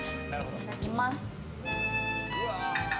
いただきます。